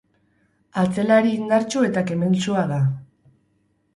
Atzelari indartsu eta kementsua da.